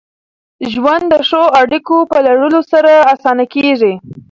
ژوند د ښو اړیکو په لرلو سره اسانه کېږي.